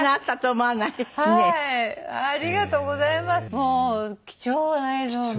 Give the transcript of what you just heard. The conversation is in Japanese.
もう貴重な映像をね。